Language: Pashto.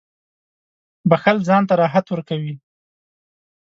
• بښل ځان ته راحت ورکوي.